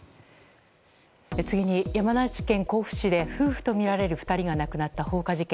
次に、山梨県甲府市で夫婦とみられる２人が亡くなった放火事件。